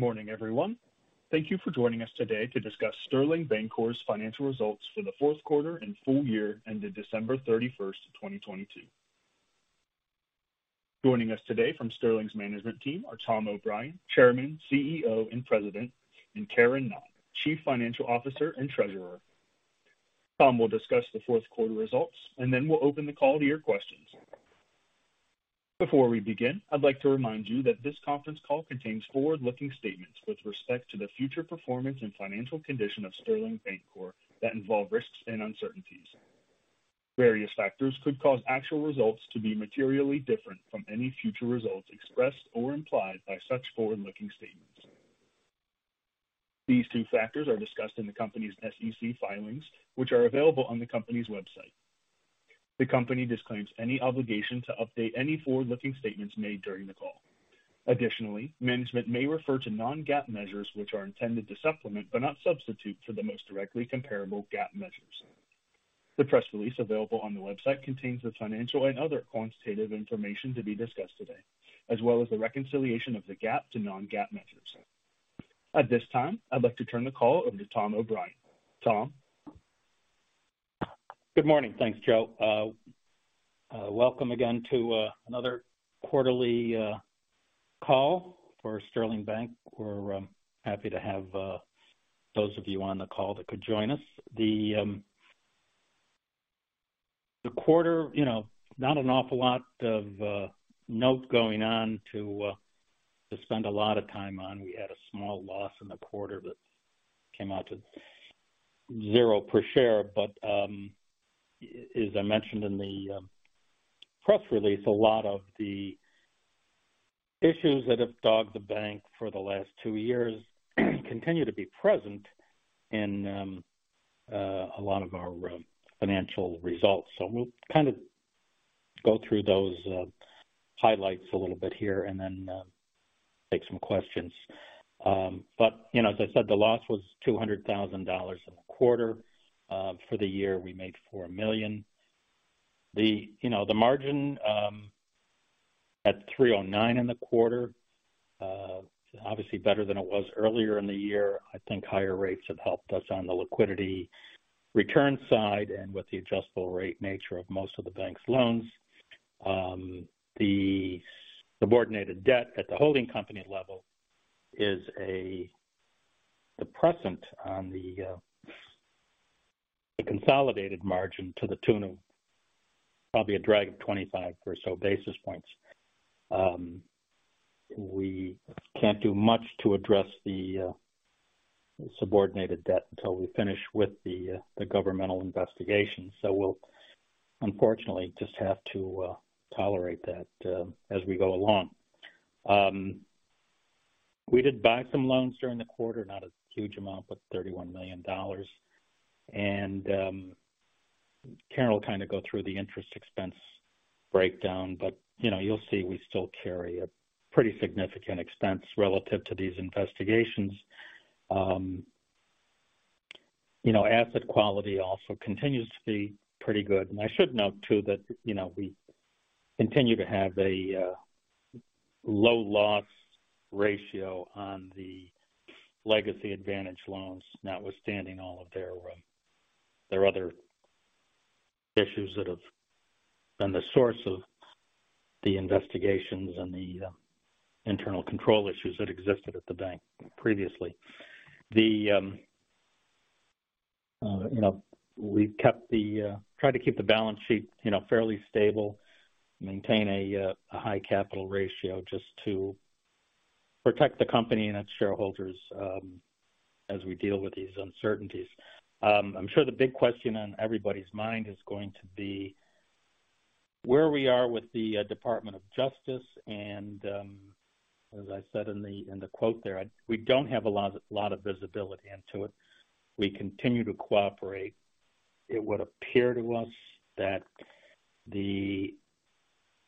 Good morning, everyone. Thank you for joining us today to discuss Sterling Bancorp's Financial Results for the Fourth Quarter and Full Year ended December 31st, 2022. Joining us today from Sterling's management team are Tom O'Brien, Chairman, CEO, and President, and Karen Knott, Chief Financial Officer and Treasurer. Tom will discuss the fourth quarter results, and then we'll open the call to your questions. Before we begin, I'd like to remind you that this conference call contains forward-looking statements with respect to the future performance and financial condition of Sterling Bancorp that involve risks and uncertainties. These factors are discussed in the company's SEC filings, which are available on the company's website. The company disclaims any obligation to update any forward-looking statements made during the call. Additionally, management may refer to non-GAAP measures, which are intended to supplement but not substitute for the most directly comparable GAAP measures. The press release available on the website contains the financial and other quantitative information to be discussed today, as well as the reconciliation of the GAAP to non-GAAP measures. At this time, I'd like to turn the call over to Tom O'Brien. Tom? Good morning. Thanks, Joe. Welcome again to another quarterly call for Sterling. We're happy to have those of you on the call that could join us. The quarter, you know, not an awful lot of notes going on to spend a lot of time on. We had a small loss in the quarter that came out to zero per share. As I mentioned in the press release, a lot of the issues that have dogged the bank for the last two years continue to be present in a lot of our financial results. We'll kind of go through those highlights a little bit here and then take some questions. You know, as I said, the loss was $200,000 in the quarter. For the year, we made $4 million. You know, the margin at 3.09% in the quarter, obviously better than it was earlier in the year. I think higher rates have helped us on the liquidity return side and with the adjustable rate nature of most of the bank's loans. The subordinated debt at the holding company level is a depressant on the consolidated margin to the tune of probably a drag of 25 or so basis points. We can't do much to address the subordinated debt until we finish with the governmental investigation, we'll unfortunately just have to tolerate that as we go along. We did buy some loans during the quarter, not a huge amount, $31 million. Karen will kind of go through the interest expense breakdown, but, you know, you'll see we still carry a pretty significant expense relative to these investigations. You know, asset quality also continues to be pretty good. I should note too that, you know, we continue to have a low loss ratio on the legacy Advantage Loans, notwithstanding all of their other issues that have been the source of the investigations and the internal control issues that existed at the bank previously. You know, we've tried to keep the balance sheet, you know, fairly stable, maintain a high capital ratio just to protect the company and its shareholders as we deal with these uncertainties. I'm sure the big question on everybody's mind is going to be where we are with the Department of Justice. As I said in the quote there, we don't have a lot of visibility into it. We continue to cooperate. It would appear to us that the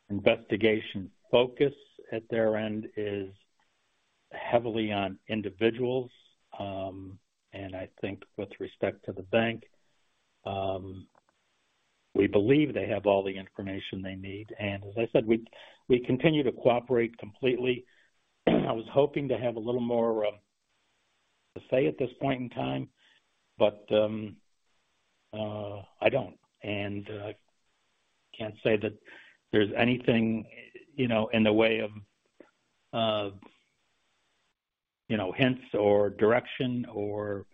investigation focus at their end is heavily on individuals. I think with respect to the bank, we believe they have all the information they need. As I said, we continue to cooperate completely. I was hoping to have a little more to say at this point in time. I don't. I can't say that there's anything, you know, in the way of, you know, hints or direction or,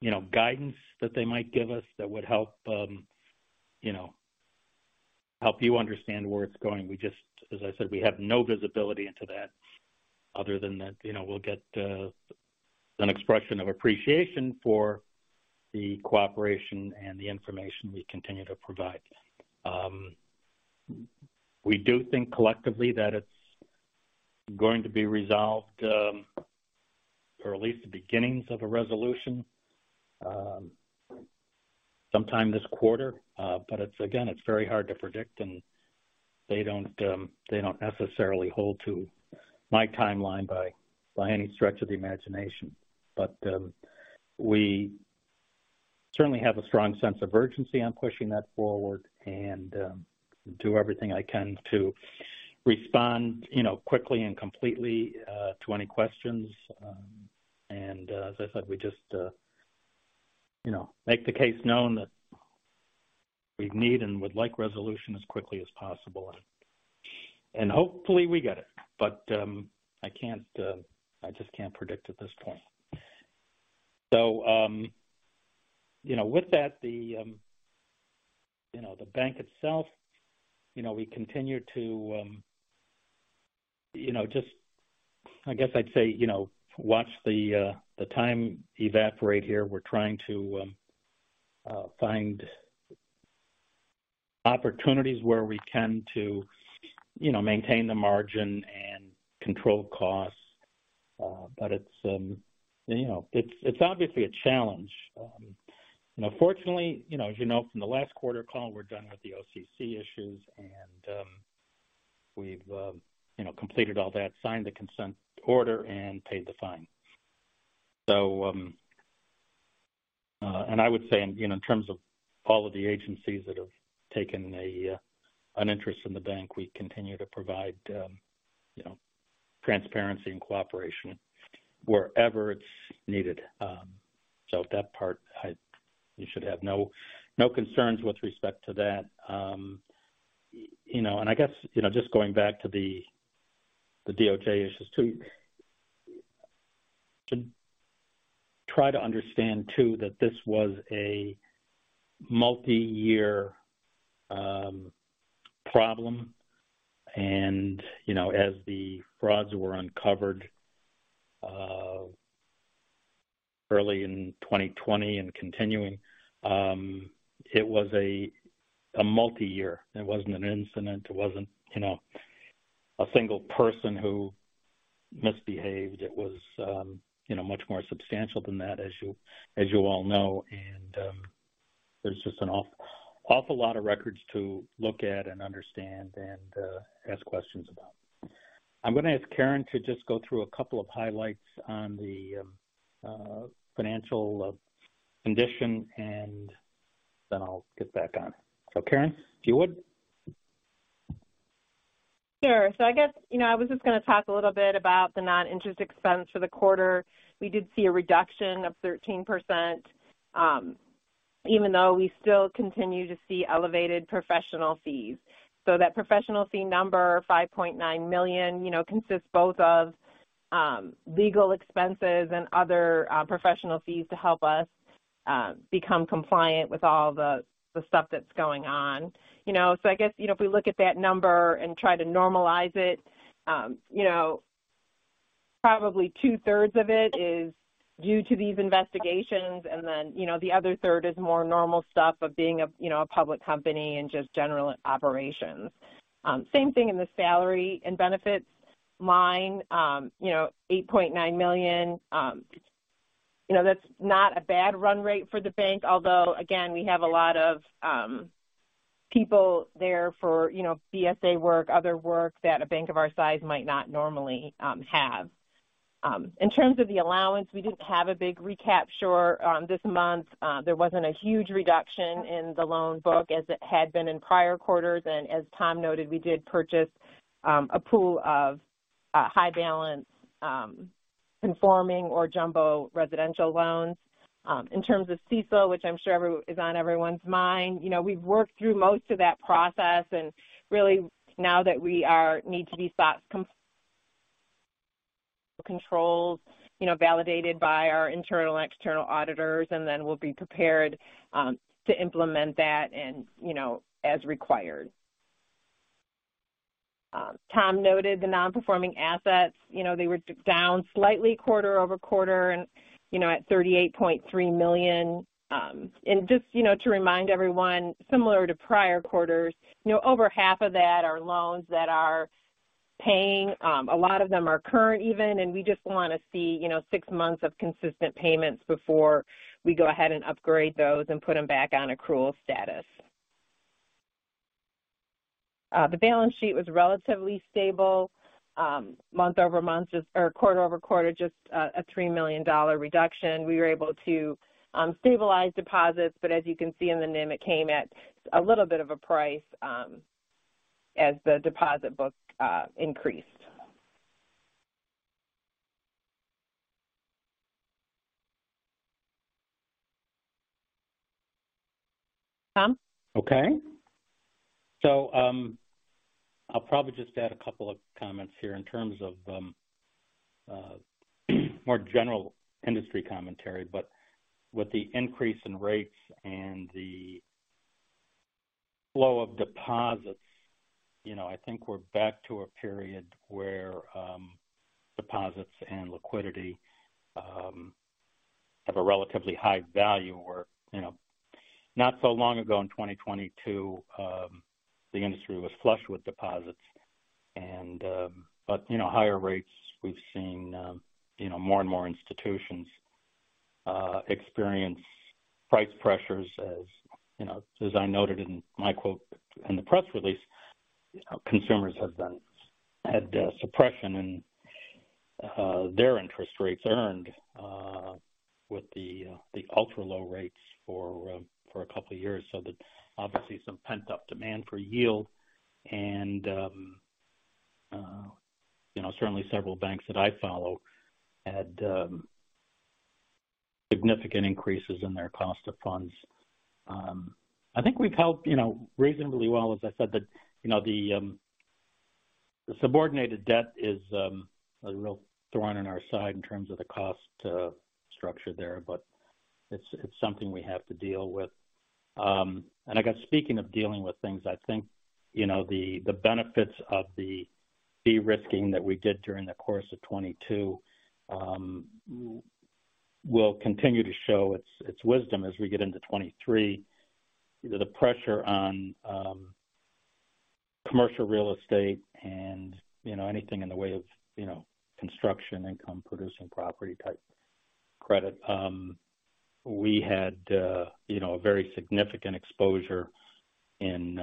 you know, guidance that they might give us that would help, you know, help you understand where it's going. As I said, we have no visibility into that other than that, you know, we'll get an expression of appreciation for the cooperation and the information we continue to provide. We do think collectively that it's going to be resolved, or at least the beginnings of a resolution, sometime this quarter. It's again, it's very hard to predict, and they don't, they don't necessarily hold to my timeline by any stretch of the imagination. Certainly have a strong sense of urgency on pushing that forward and do everything I can to respond, you know, quickly and completely to any questions. As I said, we just, you know, make the case known that we need and would like resolution as quickly as possible. Hopefully we get it. I just can't predict at this point. You know, with that, the, you know, the bank itself, you know, we continue to, you know, just, I guess I'd say, you know, watch the time evaporate here. We're trying to find opportunities where we can to, you know, maintain the margin and control costs. It's, you know, it's obviously a challenge. You know, fortunately, you know, as you know from the last quarter call, we're done with the OCC issues and we've, you know, completed all that, signed the consent order and paid the fine. I would say, you know, in terms of all of the agencies that have taken an interest in the bank, we continue to provide, you know, transparency and cooperation wherever it's needed. That part you should have no concerns with respect to that. You know, I guess, you know, just going back to the DOJ issues too. Try to understand too, that this was a multi-year problem. You know, as the frauds were uncovered early in 2020 and continuing, it was a multi-year. It wasn't an incident. It wasn't, you know, a single person who misbehaved. It was, you know, much more substantial than that, as you, as you all know. there's just an awful lot of records to look at and understand and ask questions about. I'm gonna ask Karen to just go through a couple of highlights on the financial condition, and then I'll get back on. Karen, if you would. Sure. I guess, you know, I was just gonna talk a little bit about the non-interest expense for the quarter. We did see a reduction of 13%, even though we still continue to see elevated professional fees. That professional fee number, $5.9 million, you know, consists both of legal expenses and other professional fees to help us become compliant with all the stuff that's going on, you know. I guess, you know, if we look at that number and try to normalize it, you know, probably 2/3 of it is due to these investigations. You know, the other 1/3 is more normal stuff of being a public company and just general operations. Same thing in the salary and benefits line. You know, $8.9 million. You know, that's not a bad run rate for the bank, although again, we have a lot of people there for, you know, BSA work, other work that a bank of our size might not normally have. In terms of the allowance, we didn't have a big recapture this month. There wasn't a huge reduction in the loan book as it had been in prior quarters. As Tom noted, we did purchase a pool of high balance conforming or jumbo residential loans. In terms of CECL, which I'm sure is on everyone's mind, you know, we've worked through most of that process, and really now that we need these thoughts controls, you know, validated by our internal and external auditors, and then we'll be prepared to implement that and, you know, as required. Tom noted the non-performing assets. You know, they were down slightly quarter over quarter, you know, at $38.3 million. Just, you know, to remind everyone similar to prior quarters, you know, over half of that are loans that are paying. A lot of them are current even, we just wanna see, you know, six months of consistent payments before we go ahead and upgrade those and put them back on accrual status. The balance sheet was relatively stable, month over month or quarter over quarter, just a $3 million reduction. We were able to stabilize deposits, as you can see in the NIM, it came at a little bit of a price, as the deposit book increased. Tom? Okay. I'll probably just add a couple of comments here in terms of more general industry commentary. With the increase in rates and the flow of deposits, you know, I think we're back to a period where deposits and liquidity have a relatively high value where, you know. Not so long ago, in 2022, the industry was flush with deposits and, you know, higher rates we've seen, you know, more and more institutions experience price pressures. You know, as I noted in my quote in the press release, consumers had suppression in their interest rates earned with the ultra low rates for a couple of years. That obviously some pent-up demand for yield. You know, certainly several banks that I follow had significant increases in their cost of funds. I think we've held, you know, reasonably well, as I said that, you know, the subordinated debt is a real thorn in our side in terms of the cost structure there. It's something we have to deal with. I guess speaking of dealing with things, I think, you know, the benefits of the de-risking that we did during the course of 22 will continue to show its wisdom as we get into 23. You know, the pressure on commercial real estate and, you know, anything in the way of, you know, construction, income producing property type credit. We had, you know, a very significant exposure in...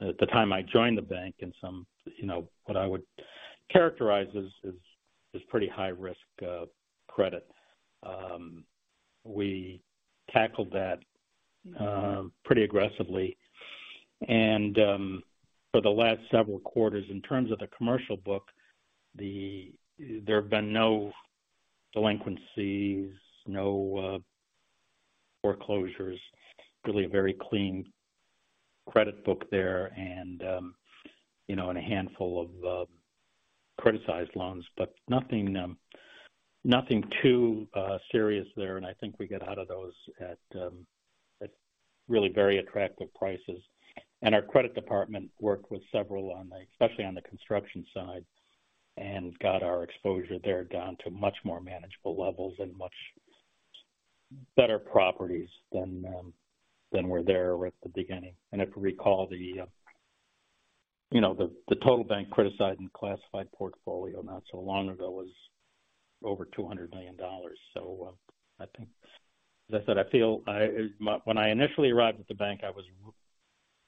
at the time I joined the bank in some, you know, what I would characterize as, as pretty high risk, credit. We tackled that pretty aggressively. For the last several quarters, in terms of the commercial book, there have been no delinquencies, no foreclosures. Really a very clean credit book there and, you know, and a handful of criticized loans, but nothing too serious there. I think we get out of those at really very attractive prices. Our credit department worked with several on the especially on the construction side, and got our exposure there down to much more manageable levels and much better properties than were there at the beginning. If you recall the, you know, the total bank criticized and classified portfolio not so long ago was over $200 million. I think, as I said, I feel when I initially arrived at the bank, I was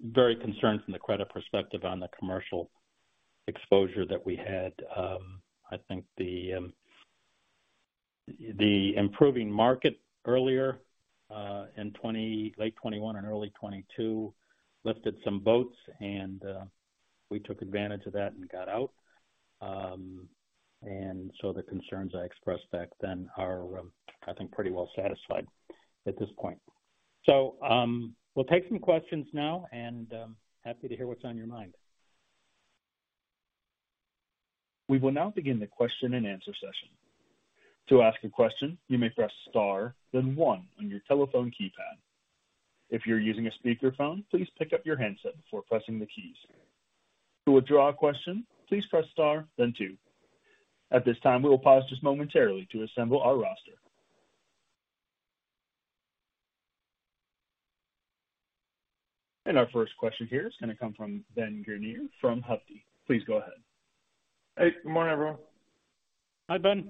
very concerned from the credit perspective on the commercial exposure that we had. I think the improving market earlier in late 2021 and early 2022 lifted some boats and we took advantage of that and got out. The concerns I expressed back then are, I think pretty well satisfied at this point. We'll take some questions now and happy to hear what's on your mind. We will now begin the question-and-answer session. To ask a question, you may press star then one on your telephone keypad. If you're using a speakerphone, please pick up your handset before pressing the keys. To withdraw a question, please press star then two. At this time, we will pause just momentarily to assemble our roster. Our first question here is gonna come from Ben Gerlinger from Hovde Group. Please go ahead. Hey, good morning, everyone. Hi, Ben.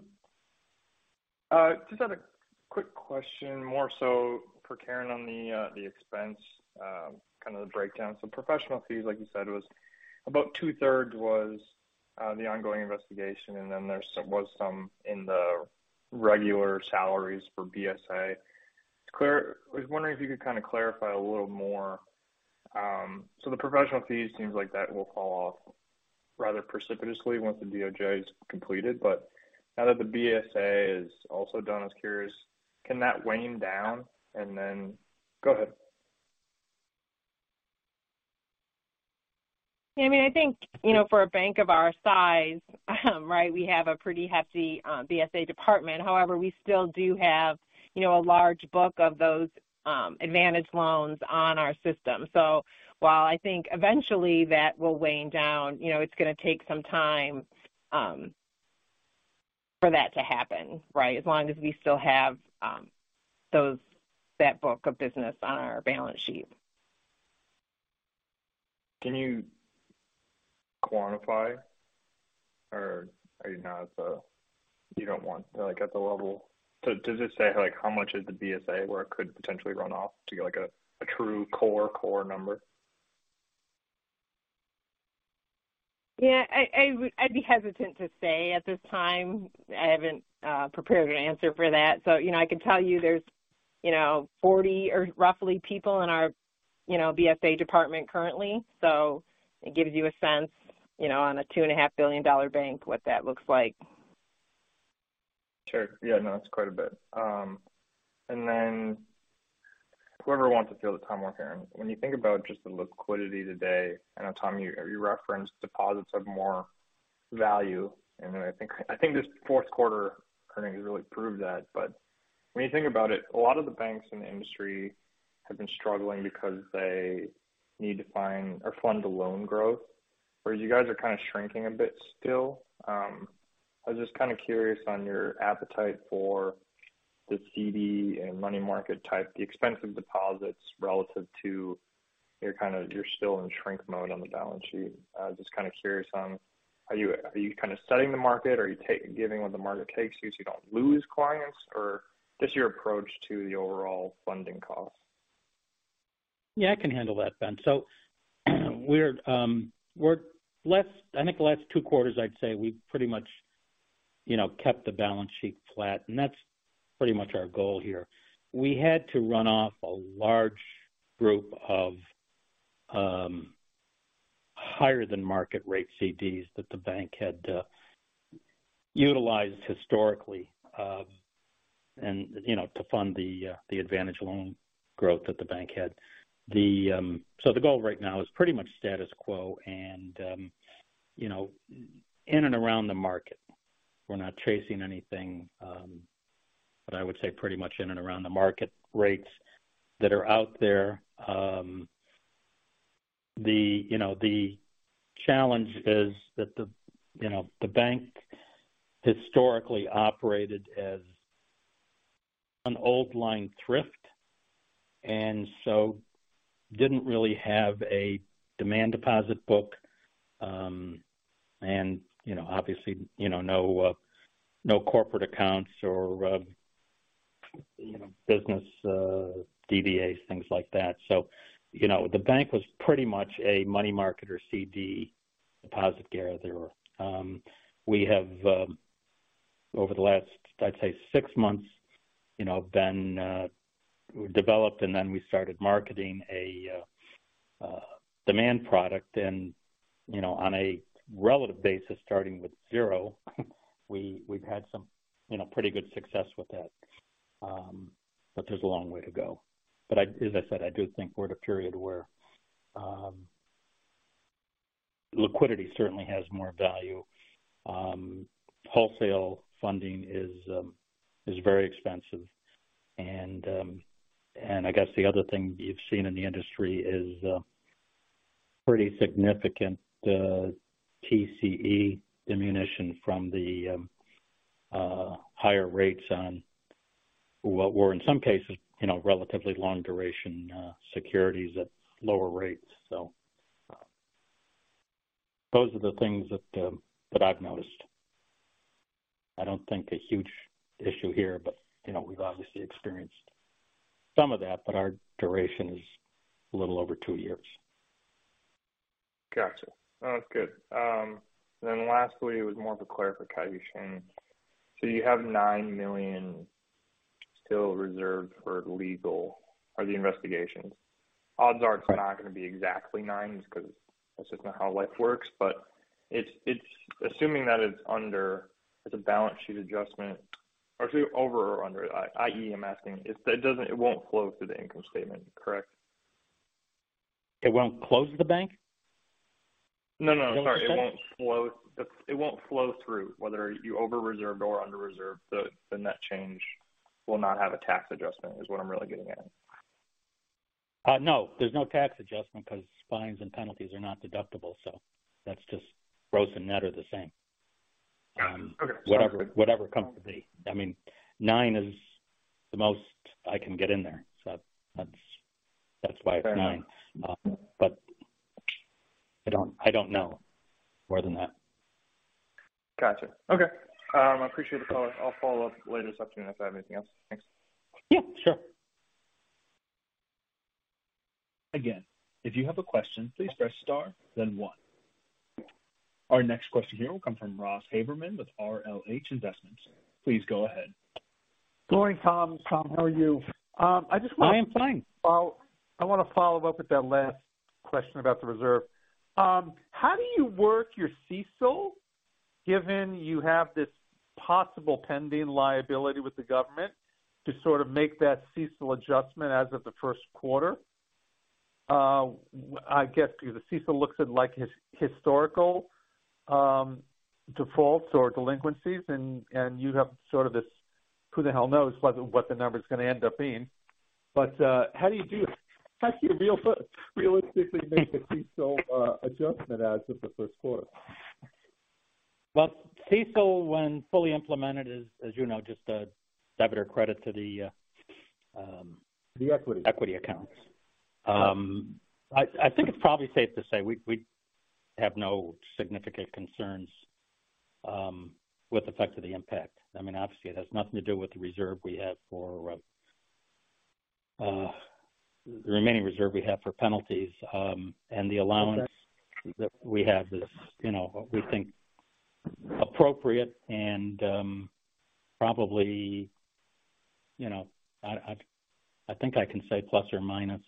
Just had a quick question more so for Karen on the expense, kind of the breakdown. Professional fees, like you said, was about two-thirds was the ongoing investigation, and then there was some in the regular salaries for BSA. I was wondering if you could kind of clarify a little more. The professional fees seems like that will fall off rather precipitously once the DOJ is completed. Now that the BSA is also done, I was curious, can that wane down? And then... Go ahead. Yeah. I mean, I think, you know, for a bank of our size, right, we have a pretty hefty, BSA department. However, we still do have, you know, a large book of those, Advantage loans on our system. While I think eventually that will wane down, you know, it's gonna take some time for that to happen, right? As long as we still have, that book of business on our balance sheet. Can you quantify or are you not you don't want to, like, at the level? Does it say, like, how much is the BSA where it could potentially run off to get, like, a true core number? Yeah. I'd be hesitant to say at this time. I haven't prepared an answer for that. You know, I can tell you there's, you know, 40 or roughly people in our, you know, BSA department currently. It gives you a sense, you know, on a $2.5 billion bank, what that looks like. Sure. Yeah, no, it's quite a bit. Whoever wants to field this, Tom or Karen. When you think about just the liquidity today, I know, Tom, you referenced deposits of more value. I think this fourth quarter earnings really proved that. When you think about it, a lot of the banks in the industry have been struggling because they need to find or fund the loan growth. Whereas you guys are kind of shrinking a bit still. I was just kind of curious on your appetite for the CD and money market type, the expensive deposits relative to your you're still in shrink mode on the balance sheet. I was just kind of curious on are you kind of studying the market? Are you giving what the market takes you so you don't lose clients? Just your approach to the overall funding cost? Yeah, I can handle that, Ben. We're last, I think the last two quarters, I'd say we pretty much, you know, kept the balance sheet flat, and that's pretty much our goal here. We had to run off a large group of higher than market rate CDs that the bank had utilized historically, and, you know, to fund the Advantage Loan growth that the bank had. The goal right now is pretty much status quo and, you know, in and around the market. We're not chasing anything, but I would say pretty much in and around the market rates that are out there. The, you know, the challenge is that the, you know, the bank historically operated as an old line thrift and so didn't really have a demand deposit book. You know, obviously, you know, no corporate accounts or, you know, business DBAs, things like that. You know, the bank was pretty much a money market or CD deposit gatherer. We have, over the last, I'd say six months, you know, been developed, and then we started marketing a demand product. You know, on a relative basis, starting with zero, we've had some, you know, pretty good success with that. There's a long way to go. As I said, I do think we're at a period where liquidity certainly has more value. Wholesale funding is very expensive. I guess the other thing you've seen in the industry is pretty significant TCE ammunition from the higher rates on what were in some cases, you know, relatively long duration securities at lower rates. Those are the things that I've noticed. I don't think a huge issue here, but, you know, we've obviously experienced some of that. Our duration is a little over two years. Gotcha. That's good. Lastly, it was more of a clarification. You have $9 million still reserved for legal or the investigations. Odds are it's not going to be exactly nine because that's just not how life works. It's, it's assuming that it's under, it's a balance sheet adjustment or over or under, i.e., I'm asking if that won't flow through the income statement, correct? It won't close the bank? No, no. It won't flow, it won't flow through. Whether you over-reserved or under-reserved, the net change will not have a tax adjustment, is what I'm really getting at. No, there's no tax adjustment because fines and penalties are not deductible. That's just gross and net are the same. Got it. Okay. Whatever it comes to be. I mean, nine is the most I can get in there. That's why it's nine. I don't know more than that. Gotcha. Okay. I appreciate the call. I'll follow up later this afternoon if I have anything else. Thanks. Yeah, sure. Again, if you have a question, please press star then one. Our next question here will come from Ross Haberman with RLH Investments. Please go ahead. Morning, Tom. Tom, how are you? I am fine. I want to follow up with that last question about the reserve. How do you work your CECL, given you have this possible pending liability with the government to sort of make that CECL adjustment as of the first quarter? I guess the CECL looks at like historical defaults or delinquencies, and you have sort of this, who the hell knows what the number is going to end up being. How do you do it? How do you realistically make a CECL adjustment as of the first quarter? Well, CECL, when fully implemented, as you know, just a debit or credit to the. The equity... equity accounts. I think it's probably safe to say we have no significant concerns with effect to the impact. I mean, obviously it has nothing to do with the reserve we have for the remaining reserve we have for penalties. The allowance that we have is, you know, we think appropriate and probably, you know, I think I can say plus or minus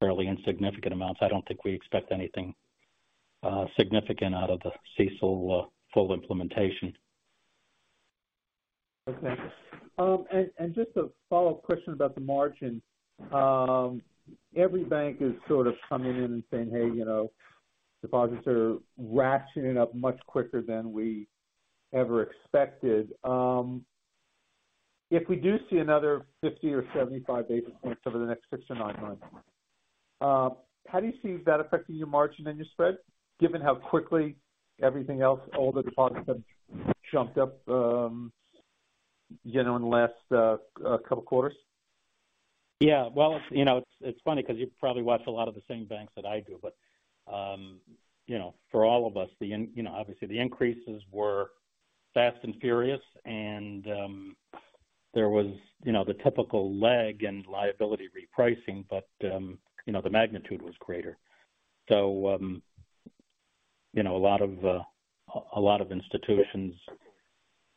fairly insignificant amounts. I don't think we expect anything significant out of the CECL full implementation. Okay. Just a follow-up question about the margin. Every bank is sort of coming in and saying, "Hey, you know, deposits are ratcheting up much quicker than we ever expected." If we do see another 50 or 75 basis points over the next six to nine months, how do you see that affecting your margin and your spread, given how quickly everything else, all the deposits have jumped up, you know, in the last couple quarters? Yeah. Well, you know, it's funny because you probably watch a lot of the same banks that I do, but, you know, for all of us, obviously the increases were fast and furious. There was, you know, the typical lag and liability repricing, but, you know, the magnitude was greater. You know, a lot of, a lot of institutions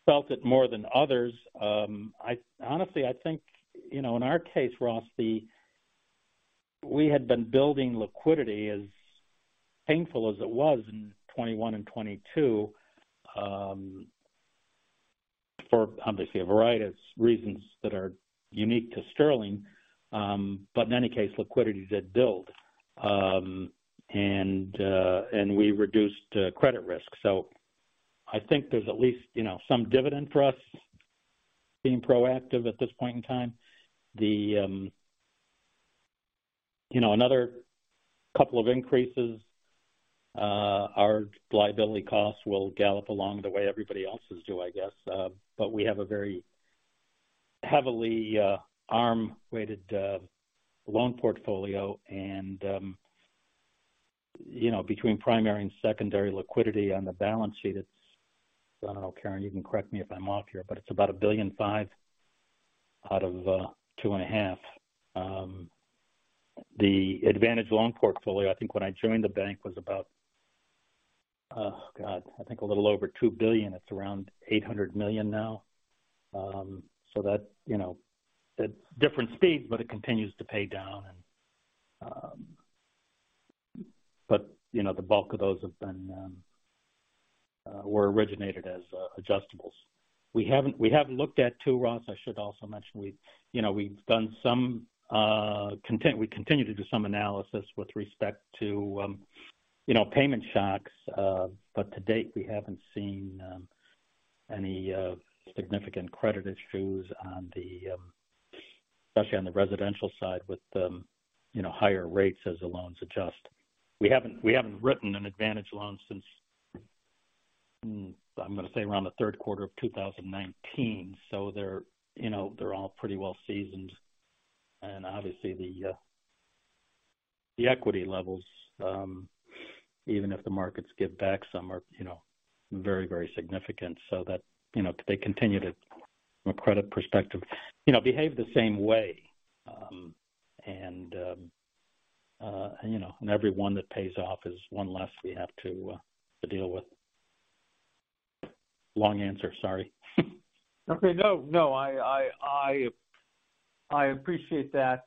felt it more than others. I honestly, I think, you know, in our case, Ross, we had been building liquidity as painful as it was in 2021 and 2022, for obviously a variety of reasons that are unique to Sterling. In any case, liquidity did build. We reduced credit risk. I think there's at least, you know, some dividend for us being proactive at this point in time. The, you know, another couple of increases, our liability costs will gallop along the way everybody else's do, I guess. We have a very heavily arm-weighted loan portfolio. You know, between primary and secondary liquidity on the balance sheet, it's. I don't know, Karen, you can correct me if I'm off here, but it's about $1.5 billion out of $2.5 billion. The Advantage Loan Portfolio, I think when I joined the bank, was about, oh God, I think a little over $2 billion. It's around $800 million now. That's, you know, at different speeds, but it continues to pay down. You know, the bulk of those have been originated as adjustables. We haven't. We have looked at two, Ross. I should also mention we've, you know, we've done some. We continue to do some analysis with respect to, you know, payment shocks. To date, we haven't seen any significant credit issues on the especially on the residential side with, you know, higher rates as the loans adjust. We haven't written an Advantage Loan since, I'm gonna say around the third quarter of 2019. They're, you know, they're all pretty well seasoned. Obviously the equity levels, even if the markets give back some are, you know, very, very significant so that, you know, they continue to, from a credit perspective, you know, behave the same way. You know, every one that pays off is one less we have to deal with. Long answer. Sorry. Okay. No, no, I appreciate that.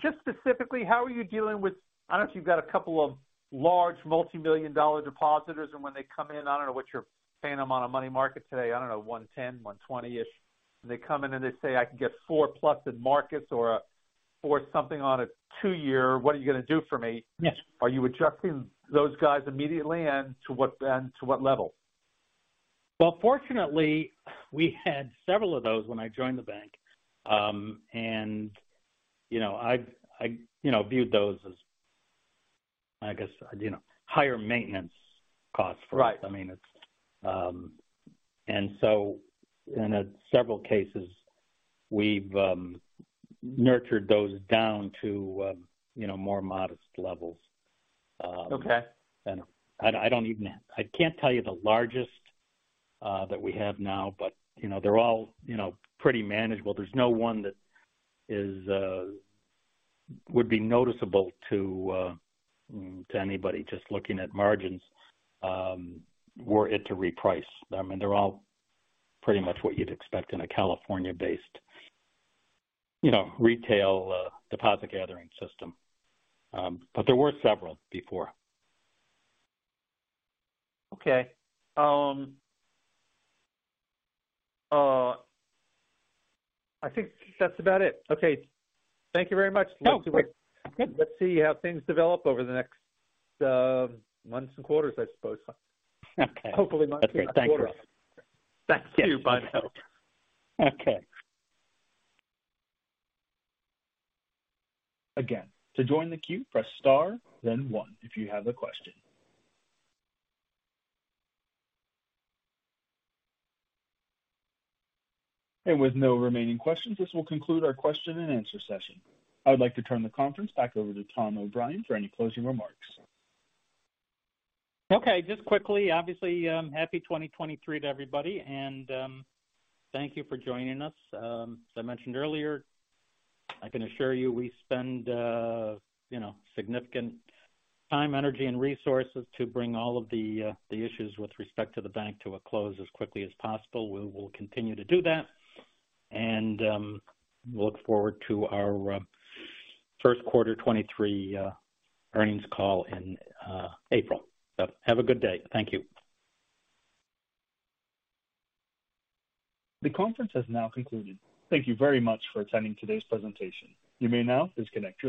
just specifically, how are you dealing with I don't know if you've got a couple of large multi-million dollar depositors, when they come in, I don't know what you're paying them on a money market today, I don't know, 1.10%, 1.20%-ish. They come in and they say, "I can get 4%+ in markets or 4% something on a two-year. What are you gonna do for me? Yes. Are you adjusting those guys immediately, and to what, and to what level? Well, fortunately, we had several of those when I joined the bank. you know, I've, you know, viewed those as, I guess, you know, higher maintenance costs for us. Right. I mean, it's, in several cases we've nurtured those down to, you know, more modest levels. Okay. I don't even have. I can't tell you the largest that we have now, but, you know, they're all, you know, pretty manageable. There's no one that is would be noticeable to anybody just looking at margins were it to reprice. I mean, they're all pretty much what you'd expect in a California-based, you know, retail deposit gathering system. There were several before. Okay. I think that's about it. Okay, thank you very much. Oh, great. Let's see how things develop over the next months and quarters, I suppose. Okay. Hopefully months and quarters. That's great. Thank you. Thank you. Bye now. Okay. To join the queue, press star then one if you have a question. With no remaining questions, this will conclude our question and answer session. I would like to turn the conference back over to Tom O'Brien for any closing remarks. Okay. Just quickly, obviously, happy 2023 to everybody, and thank you for joining us. As I mentioned earlier, I can assure you we spend, you know, significant time, energy, and resources to bring all of the issues with respect to the bank to a close as quickly as possible. We will continue to do that, and look forward to our first quarter 2023 earnings call in April. Have a good day. Thank you. The conference has now concluded. Thank you very much for attending today's presentation. You may now disconnect.